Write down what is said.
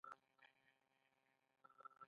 زمونږ سیاره د لمر شاوخوا ګرځي.